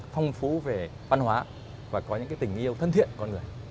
phong phú về văn hóa và có những cái tình yêu thân thiện của con người